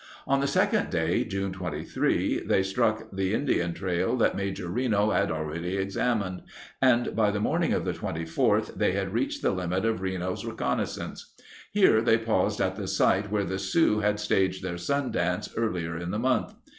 On the second day, June 23, they struck the Indian trail that Major Reno had already examined, and by the morning of the 24th they had reached the limit of Reno's reconnaissance. Here they paused at the site where the Sioux had staged their sun dance earlier in the month.